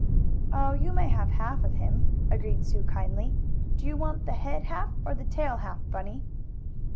"Oh, you may have half of him," agreed Sue kindly. "Do you want the head half, or the tail hall, Bunny?"